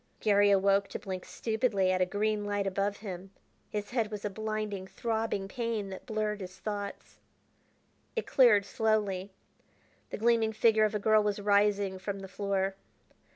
Garry awoke to blink stupidly at a green light above him. His head was a blinding, throbbing pain that blurred his thoughts. It cleared slowly. The gleaming figure of a girl was rising from the floor.